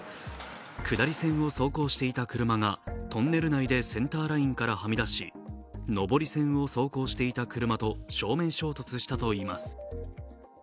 下り線を走行していた車がトンネル内でセンターラインからはみ出し、上り線を走行していた車と正面衝突したといいます。